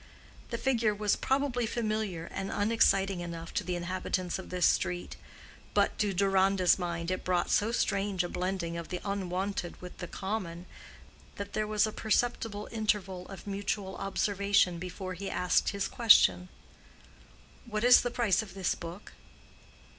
The figure was probably familiar and unexciting enough to the inhabitants of this street; but to Deronda's mind it brought so strange a blending of the unwonted with the common, that there was a perceptible interval of mutual observation before he asked his question; "What is the price of this book?"